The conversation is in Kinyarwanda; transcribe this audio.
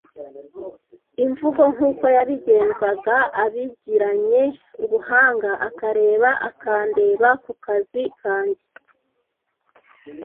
imvugo nkuko yabigenzaga abigiranye ubuhanga, akareba, akandeba ku kazi kanjye.